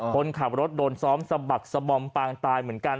คนขับรถโดนซ้อมสะบักสะบอมปางตายเหมือนกัน